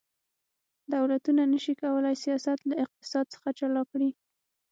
دولتونه نشي کولی سیاست له اقتصاد څخه جلا کړي